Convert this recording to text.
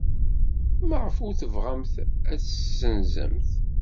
Maɣef ay tebɣamt ad tt-tessenzemt?